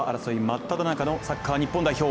真っただ中のサッカー日本代表。